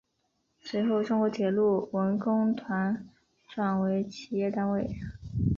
随后中国铁路文工团转为企业单位。